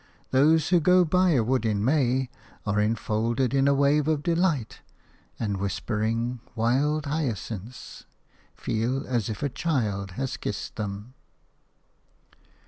Those who go by a wood in May are enfolded in a wave of delight, and whispering "Wild hyacinths!" feel as if a child had kissed them.